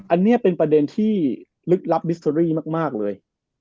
อันนี้เป็นประเด็นที่ลึกลับเมสดิมักเลย